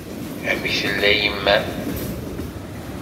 Amek tella yemma-m?